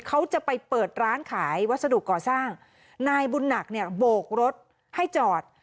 เขาจะไปเปิดร้านขายวัสดุก่อสร้างนายบุญหนักเนี่ยโบกรถให้จอด